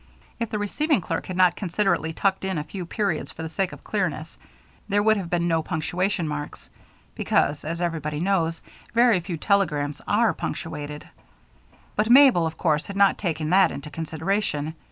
If the receiving clerk had not considerately tucked in a few periods for the sake of clearness, there would have been no punctuation marks, because, as everybody knows, very few telegrams are punctuated; but Mabel, of course, had not taken that into consideration.